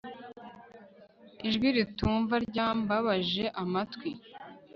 ijwi ritumva ryambabaje amatwi